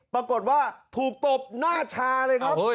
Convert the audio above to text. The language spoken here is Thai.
ปรากฏว่าถูกตบหน้าชาเลยครับ